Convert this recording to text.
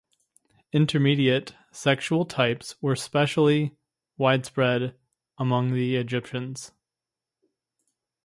Intermediate sexual types were specially widespread among the Egyptians.